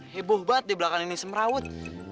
heboh banget deh belakang ini semerawut